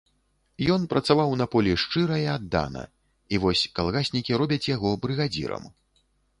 Ён працаваў на полі шчыра і аддана, і вось калгаснікі робяць яго брыгадзірам.